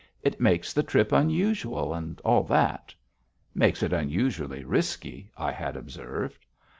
It makes the trip unusual and all that." "Makes it unusually risky," I had observed.